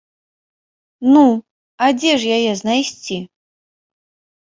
Ну, а дзе ж яе знайсці?